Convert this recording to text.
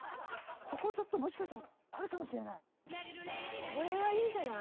ここちょっともしかしたらあるかもしれない。